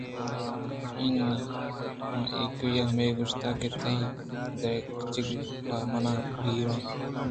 اِناں من ایوک ءَہمے گوٛشت کہ تئی درگیجگ پہ منا گرٛان اِنت